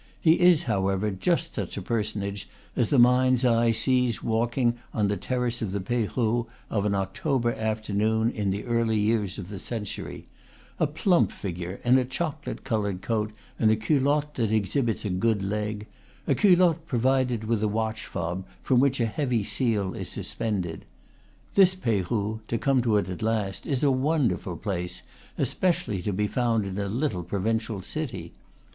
He is, however, just such a personage as the mind's eye sees walking on the terrace of the Peyrou of an October afternoon in the early years of the century; a plump figure in a chocolate colored coat and a culotte that exhibits a good leg, a culotte pro vided with a watch fob from which a heavy seal is suspended. This Peyrou (to come to it at last) is a wonderful place, especially to be found in a little pro vincial city.